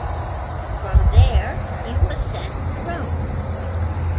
From there he was sent to Rome.